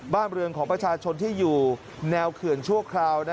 บ้านเรือนของประชาชนที่อยู่แนวเขื่อนชั่วคราว